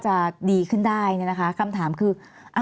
จะดีขึ้นได้เนี่ยนะคะคำถามคือ